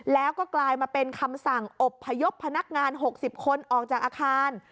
แล้วก็กลายมาเป็นคำสั่งอบพยพพนักงาน๖๐คนออกจากอาคาร